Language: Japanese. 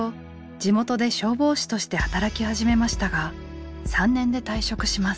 地元で消防士として働き始めましたが３年で退職します。